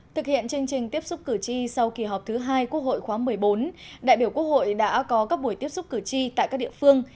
thực hiện chương trình tiếp xúc cử tri sau kỳ họp thứ hai quốc hội khóa một mươi bốn đại biểu quốc hội đã có các buổi tiếp xúc cử tri tại các địa phương